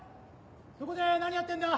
そこで何やってんだ？